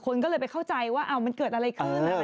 คนก็เลยไปเข้าใจว่ามันเกิดอะไรขึ้นอะไรแบบนั้น